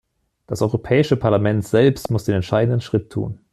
Das Europäische Parlament selbst muss den entscheidenden Schritt tun.